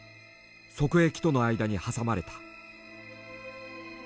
側壁との間に挟まれた。